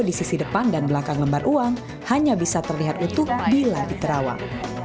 di sisi depan dan belakang lembar uang hanya bisa terlihat utuh bila diterawang